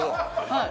はい！